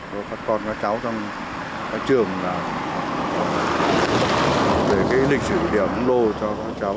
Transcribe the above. cho các cháu trong các trường để lịch sử để ủng hộ cho các cháu